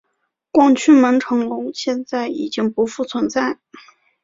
广渠门城楼现在已经不复存在。